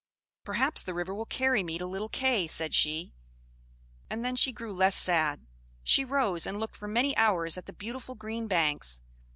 "Perhaps the river will carry me to little Kay," said she; and then she grew less sad. She rose, and looked for many hours at the beautiful green banks.